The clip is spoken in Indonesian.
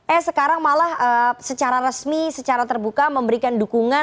eh sekarang malah secara resmi secara terbuka memberikan dukungan